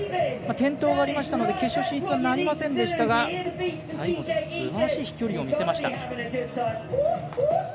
転倒がありましたので決勝進出はなりませんでしたが最後、すばらしい飛距離を見せました。